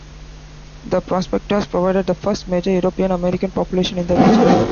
The prospectors provided the first major European-American population in the region.